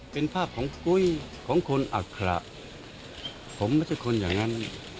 เป็นภาพของกุ้ยของคนอัคระผมไม่ใช่คนอย่างนั้น